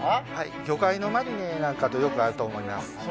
魚介のマリネなんかとよく合うと思います。